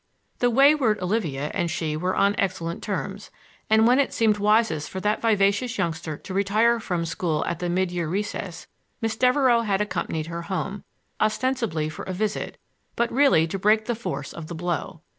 The wayward Olivia and she were on excellent terms, and when it seemed wisest for that vivacious youngster to retire from school at the mid year recess Miss Devereux had accompanied her home, ostensibly for a visit, but really to break the force of the blow.